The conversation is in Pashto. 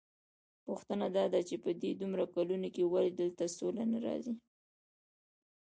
پوښتنه داده چې په دې دومره کلونو کې ولې دلته سوله نه راځي؟